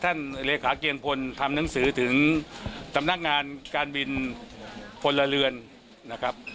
เลขาเกียรพลทำหนังสือถึงสำนักงานการบินพลเรือนนะครับ